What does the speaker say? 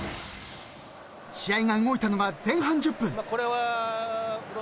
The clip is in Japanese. ［試合が動いたのが前半１０分］